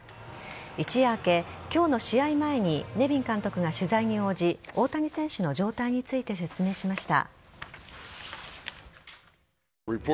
一夜明け、今日の試合前にネビン監督が取材に応じ大谷選手の状態について説明しました。